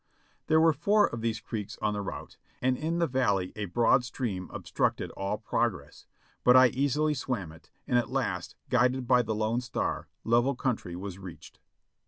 There were four of these creeks on the route, and in the valley a broad stream obstructed all progress, but I easily swam it, and at last, guided by the lone star, level country was reached.